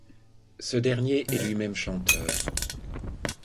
Ce dernier est lui-même chanteur.